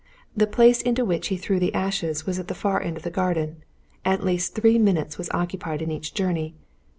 The place into which he threw the ashes was at the far end of the garden; at least three minutes was occupied in each journey.